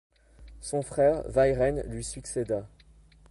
Son frère Wai Ren lui succéda.